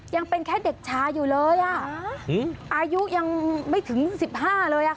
ยังเป็นแค่เด็กชายอยู่เลยอ่ะอายุยังไม่ถึง๑๕เลยค่ะ